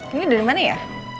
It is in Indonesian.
ini dari mana ya